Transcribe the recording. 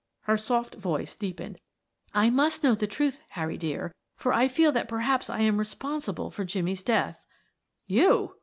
Her soft voice deepened. "I must know the truth, Harry, dear; for I feel that perhaps I am responsible for Jimmie's death." "You!"